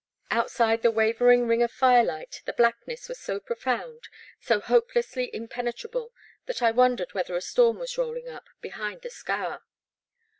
Outside the wavering ring of firelight the black ness was so profound, so hoplessly impenetrable that I wondered whether a storm was rolling up behind the Scaur.